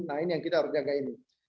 nah ini yang kita harus jaga ini